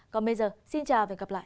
còn bây giờ xin chào và hẹn gặp lại